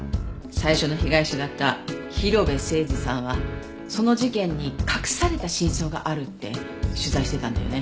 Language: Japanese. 最初の被害者だった広辺誠児さんはその事件に隠された真相があるって取材してたんだよね。